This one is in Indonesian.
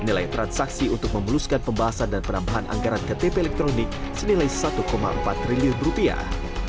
nilai transaksi untuk memuluskan pembahasan dan penambahan anggaran ktp elektronik senilai satu empat triliun rupiah